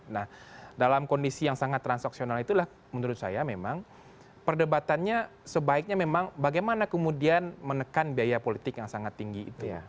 nah dalam kondisi yang sangat transaksional itulah menurut saya memang perdebatannya sebaiknya memang bagaimana kemudian menekan biaya politik yang sangat tinggi itu